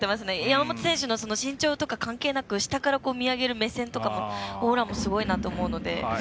山本選手の身長とか関係なく下から見上げる目線とかオーラもすごいなと思うので。